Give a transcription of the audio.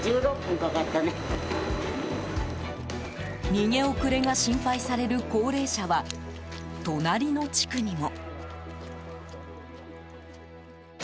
逃げ遅れが心配される高齢者は隣の地区にも。